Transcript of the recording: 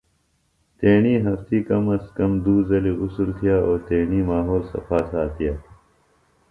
تیݨی ہفتی کم ازکم دُو زلیۡ غسُل تِھیہ او تیݨی ماحول صفاساتِیہ۔